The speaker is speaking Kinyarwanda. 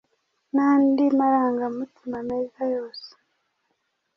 n’andi marangamutima meza yose.